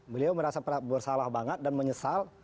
beliau merasa bersalah banget dan menyesal